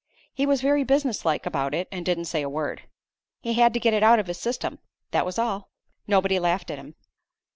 He was very businesslike about it and didn't say a word. He had to get it out of his system that was all. Nobody laughed at him.